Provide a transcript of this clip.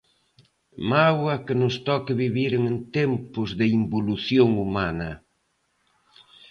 Mágoa que nos toque vivir en tempos de involución humana...